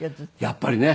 やっぱりね。